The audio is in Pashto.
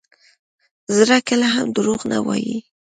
زړه کله هم دروغ نه وایي.